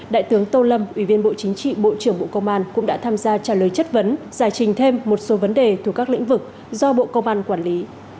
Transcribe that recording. đại tướng tô lâm ủy viên bộ chính trị bộ trưởng bộ công an cũng đã tham gia trả lời chất vấn giải trình thêm một số vấn đề thuộc các lĩnh vực do bộ công an quản lý